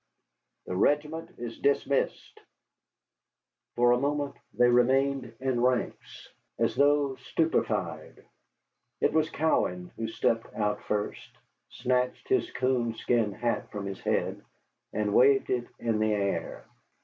The regiment is dismissed." For a moment they remained in ranks, as though stupefied. It was Cowan who stepped out first, snatched his coonskin hat from his head, and waved it in the air.